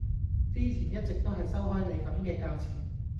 之前一直都係收開你咁嘅價錢